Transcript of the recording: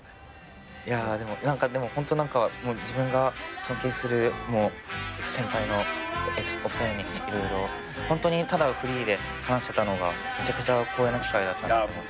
いやでもホント何か自分が尊敬する先輩のお二人に色々ホントにただフリーで話せたのがめちゃくちゃ光栄な機会だったなと。